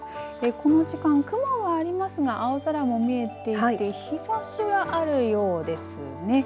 この時間雲はありますが青空も見えているので日ざしはあるようですね。